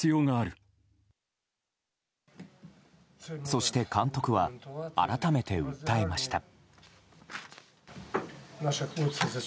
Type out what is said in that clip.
そして、監督は改めて訴えました。